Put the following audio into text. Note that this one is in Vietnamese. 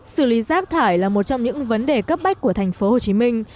xử lý rác thải là một trong những vấn đề cấp bách của thành phố hồ chí minh